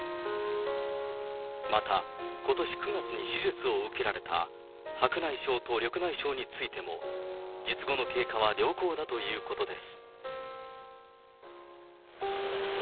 また、ことし９月に手術を受けられた白内障と緑内障についても、術後の経過は良好だということです。